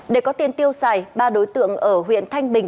để có tiền tiêu xài ba đối tượng ở huyện thanh bình